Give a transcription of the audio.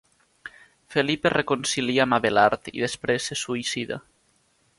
Felip es reconcilia amb Abelard i després se suïcida.